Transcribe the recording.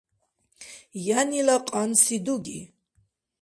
Янила кьанси дуги.